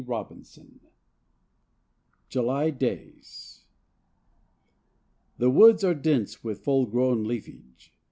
XXI JULY DAYS The woods are dense with full grown leafage.